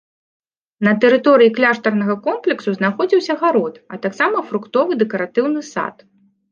На тэрыторыі кляштарнага комплексу знаходзіўся гарод, а таксама фруктовы дэкаратыўны сад.